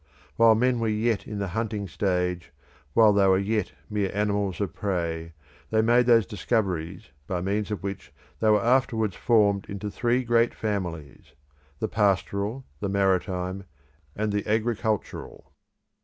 While men were yet in the hunting stage, while they were yet mere animals of prey, they made those discoveries by means of which they were afterwards formed into three great families the pastoral, the maritime, and the agricultural.